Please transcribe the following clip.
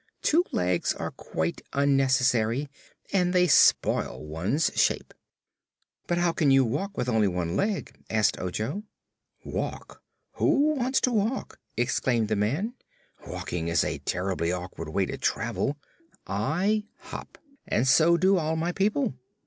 Two legs are quite unnecessary, and they spoil one's shape." "But how can you walk, with only one leg?" asked Ojo. "Walk! Who wants to walk?" exclaimed the man. "Walking is a terribly awkward way to travel. I hop, and so do all my people.